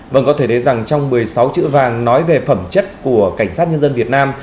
vâng có thể thấy rằng trong một mươi sáu chữ vàng nói về phẩm chất của cảnh sát nhân dân việt nam